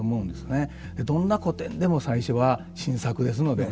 どんな古典でも最初は新作ですので。